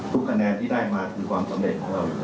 ทุกคะแดนที่ได้มาคือกวามสำเร็จของเราอยู่แล้ว